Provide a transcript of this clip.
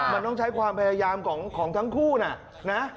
มันต้องใช้ความพยายามของทั้งคู่นะ